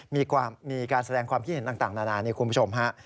มีการแสดงความคิดเห็นต่างนานานี่คุณผู้ชมฮะ